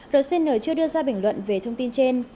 rcn chưa đưa ra bình luận về thông tin trên